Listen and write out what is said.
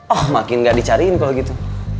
oh makin gak dicariin kalau gitu